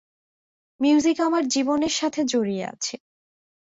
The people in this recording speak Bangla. মিউজিক আমার জীবনের সাথে জড়িয়ে আছে।